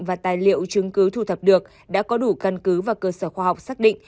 và tài liệu chứng cứ thu thập được đã có đủ căn cứ và cơ sở khoa học xác định